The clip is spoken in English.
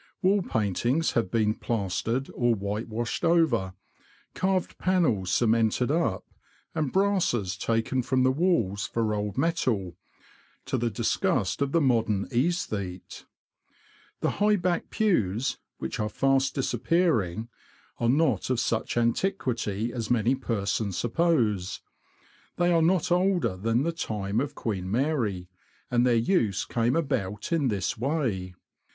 Wall paintings have been plastered or whitewashed over, carved panels cemented up, and brasses taken from the walls for old metal, to the disgust of the modern aesthete. The high backed pews, which are fast disappearing, are not of such antiquity as many persons suppose. They are not older than the time of Queen Mary, and their use came about in this way.